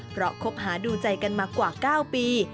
เพราะคบหาดูใจกันมากว่า๙ปี